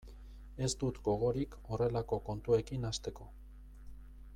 Ez dut gogorik horrelako kontuekin hasteko.